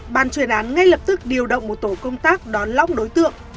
bàn truyền án ngay lập tức điều động một tổ công tác đón lõng đối tượng